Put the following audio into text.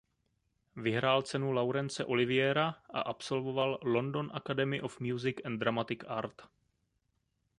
Vyhrál cenu Laurence Oliviera a absolvoval London Academy of Music and Dramatic Art.